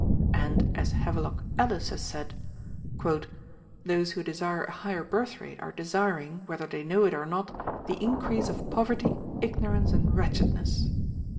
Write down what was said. And as Havelock Ellis has said: "Those who desire a higher birth rate are desiring, whether they know it or not, the increase of poverty, ignorance, and wretchedness."